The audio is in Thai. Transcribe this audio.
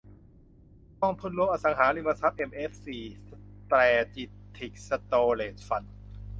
กองทุนรวมอสังหาริมทรัพย์เอ็มเอฟซี-สแตรทิจิกสโตเรจฟันด์